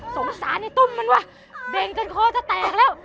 สมสานให้ตุ้มมันว่ะเบงกันโคตรจะแตกแล้ว